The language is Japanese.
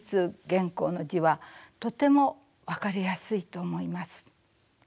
原稿の字はとても分かりやすいと思います。